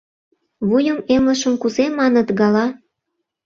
Вуйым эмлышым кузе маныт гала?